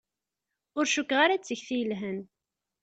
Ur cukkeɣ ara d tikti yelhan.